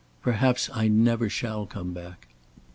Perhaps I never shall come back."